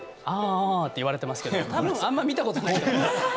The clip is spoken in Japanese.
「ああ」って言われてますけども多分あんま見たことないと思います。